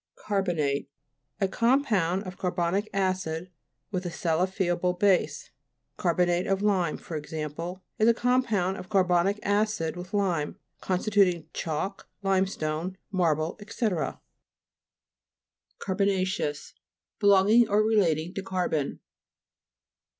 CAR'BOSTATE A compound of car bonic acid with a salifiable base ; carbonate of lime, for example, is a compound of carbonic acid with lime, constituting chalk, limestone, marble, &r CARBON A'CEOUS Belonging or relat ing to carbon.